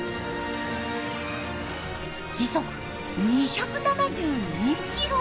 時速２７２キロ。